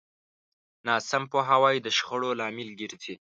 ناسم پوهاوی د شخړو لامل ګرځي.